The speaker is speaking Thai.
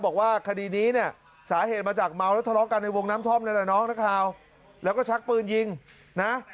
บอกว่าคดีนี้เนี้ยสาเหตุมาจากเมาและทะเลาะกันในวงน้ำท่อมเลยล่ะน้องแล้วก็ชักปืนยิงนะ